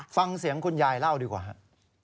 ฟังเสียงคุณยายเล่าดีกว่าครับ